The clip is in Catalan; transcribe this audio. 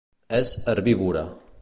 És herbívora.